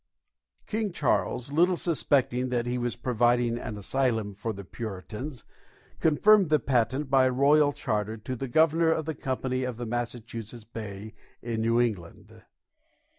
King Charles, little suspecting that he was providing an asylum for the Puritans, confirmed the patent by a royal charter to "The Governor and Company of the Massachusetts Bay in New England."